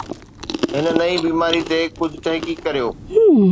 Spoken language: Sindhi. هن نئين بيماري تي ڪجهه تحقيق ڪريو